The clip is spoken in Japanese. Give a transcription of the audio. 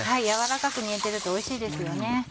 軟らかく煮えてるとおいしいですよね。